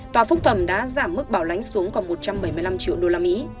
tòa phúc thẩm đã giảm mức bảo lãnh xuống còn một trăm bảy mươi năm triệu usd